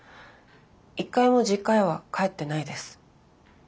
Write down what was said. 一回も実家へは帰ってないです。